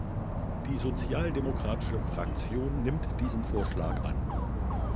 Die sozialdemokratische Fraktion nimmt diesen Vorschlag an.